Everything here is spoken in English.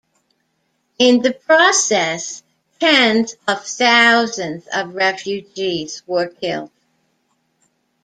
In the process, tens of thousands of refugees were killed.